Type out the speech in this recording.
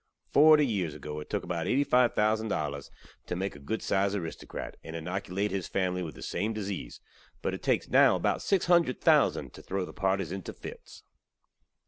Forty years ago it took about 85 thousand dollars tew make a good sized aristokrat, and innokulate his family with the same disseaze, but it takes now about 600 thousand tew throw the partys into fits.